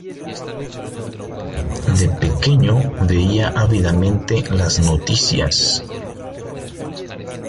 De pequeño, veía ávidamente las noticias.